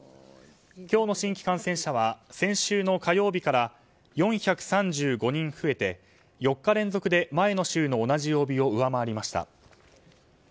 今日の新規感染者は先週の火曜日から４３５人増えて４日連続で前の週の同じ曜日を上回りました。